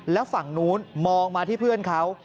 แล้วฝั่งนู้นมองมาที่เพื่อนเขา